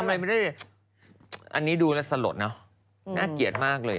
อันนี้ดูและสะหรดเนาะน่าเกลียดมากเลย